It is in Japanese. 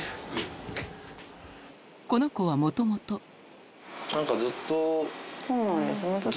この子はもともと何かずっと。